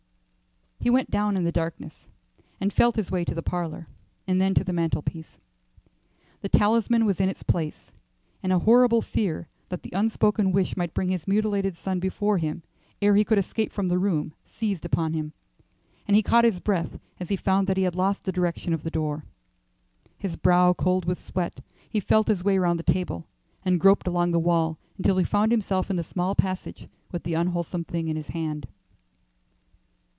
He went down in the darkness, and felt his way to the parlour, and then to the mantelpiece. The talisman was in its place, and a horrible fear that the unspoken wish might bring his mutilated son before him ere he could escape from the room seized upon him, and he caught his breath as he found that he had lost the direction of the door. His brow cold with sweat, he felt his way round the table, and groped along the wall until he found himself in the small passage with the unwholesome thing in his hand.